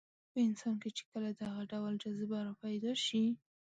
په انسان کې چې کله دغه ډول جذبه راپیدا شي.